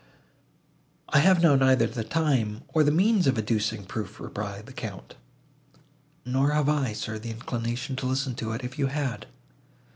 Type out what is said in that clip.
"I have now neither the time, nor the means of adducing proof," replied the Count. "Nor have I, sir, the inclination to listen to it, if you had."